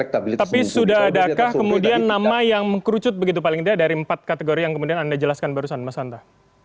tapi sudah adakah kemudian nama yang mengkerucut begitu paling tidak dari empat kategori yang kemudian anda jelaskan barusan mas hanta